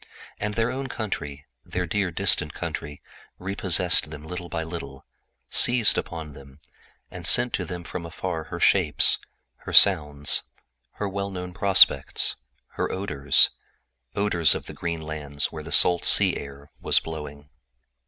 And their own country, their dear, distant country, recaptured them little by little, seizing on their imaginations, and sending to them from afar her shapes, her sounds, her well known prospects, her odors—odors of the green lands where the salt sea air was blowing.